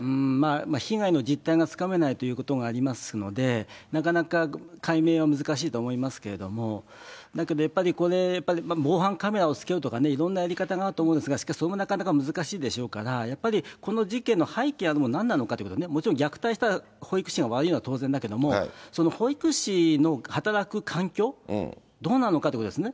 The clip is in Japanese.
被害の実態がつかめないということがありますので、なかなか解明は難しいと思いますけれども、だけどやっぱりこれ、防犯カメラを付けるとかね、いろんなやり方があると思うんですが、しかしそれもなかなか難しいでしょうから、やっぱりこの事件の背景にあるものはなんなのかということ、もちろん虐待した保育士が悪いのは当然だけれども、その保育士の働く環境、どうなのかということですね。